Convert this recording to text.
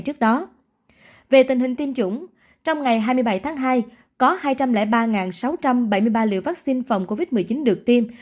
trước đó về tình hình tiêm chủng trong ngày hai mươi bảy tháng hai có hai trăm linh ba sáu trăm bảy mươi ba liều vaccine phòng covid một mươi chín được tiêm